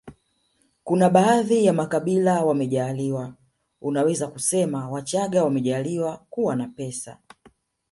kuna baadhi ya makabila wamejaaliwa unaweza kusema wachaga wamejaaliwa kuwa na pesa